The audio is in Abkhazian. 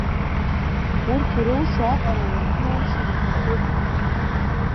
Урҭ ирылшо аҟара уаргьы иулшар уҭахуп.